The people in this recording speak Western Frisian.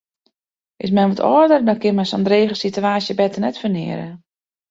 Is men wat âlder, dan kin men sa'n drege sitewaasje better ferneare.